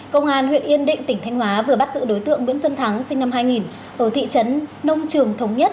công an huyện yên định tỉnh thanh hóa vừa bắt giữ đối tượng nguyễn xuân thắng sinh năm hai nghìn ở thị trấn nông trường thống nhất